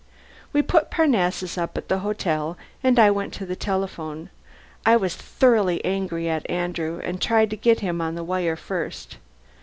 We put Parnassus up at the hotel, and I went to the telephone. I was thoroughly angry at Andrew, and tried to get him on the wire first.